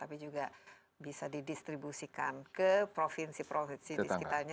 tapi juga bisa didistribusikan ke provinsi provinsi di sekitarnya